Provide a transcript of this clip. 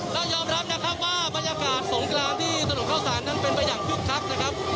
เรายอมรับนะครับว่าบรรยากาศสงกรานที่ถนนเข้าสารนั้นเป็นไปอย่างคึกคักนะครับ